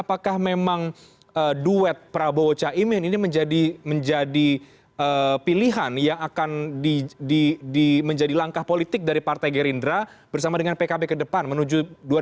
akan menjadi langkah politik dari partai gerindra bersama dengan pkb ke depan menuju dua ribu dua puluh empat